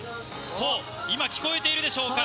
そう、今、聴こえているでしょうか。